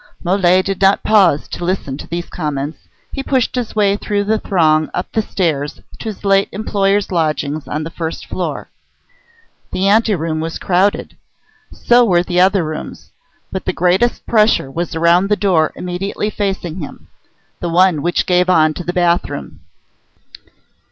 Mole did not pause to listen to these comments. He pushed his way through the throng up the stairs, to his late employer's lodgings on the first floor. The anteroom was crowded, so were the other rooms; but the greatest pressure was around the door immediately facing him, the one which gave on the bathroom.